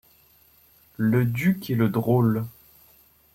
Le duc et le drôle